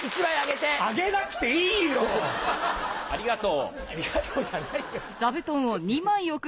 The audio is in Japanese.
ありがとう。